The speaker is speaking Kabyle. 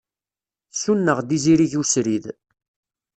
Ssuneɣ-d izirig usrid.